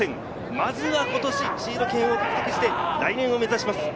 まずは今年、シード権を獲得して来年を目指します。